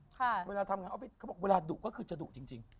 เขาบอกเวลาดุก็คือจะดุจริง